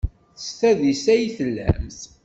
S tadist ay tellamt?